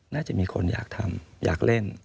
น่าจะมีคนอยากทำอยากเล่น